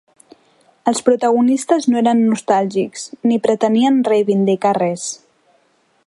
Els protagonistes no eren nostàlgics ni pretenien reivindicar res.